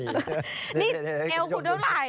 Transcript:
เอลคุณเอาไหล่